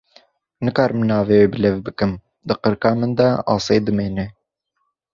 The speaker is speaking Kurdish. Nikarim navê wê bilêv bikim, di qirika min de asê dimîne.